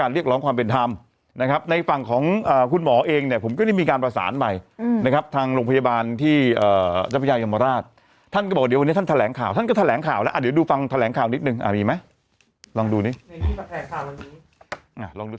มีครับทางโรงพยาบาลที่เจ้าพยายามราชท่านก็บอกเดี๋ยวท่านแถลงข่าวท่านก็แถลงข่าวแล้วอาจจะดูฟังแถลงข่าวนิดนึงอ่ะมีมั้ยลองดูนิดหนึ่งลองดู